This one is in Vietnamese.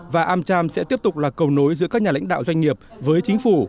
và am cham sẽ tiếp tục là cầu nối giữa các nhà lãnh đạo doanh nghiệp với chính phủ